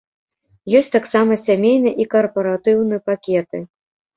Ёсць таксама сямейны і карпаратыўны пакеты.